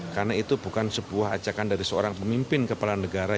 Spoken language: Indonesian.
karena itu bukan sebuah ajakan dari seorang pemimpin kepala negara